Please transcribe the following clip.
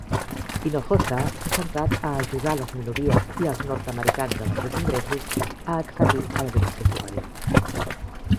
Hinojosa s'ha centrat a ajudar les minories i els nord-americans de baixos ingressos a accedir a l'educació superior.